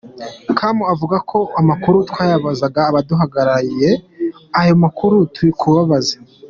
com avuga ko amakuru twazayabaza abaduhaye ayo makuru turi kubabaza.